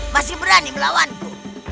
masih berani melawanku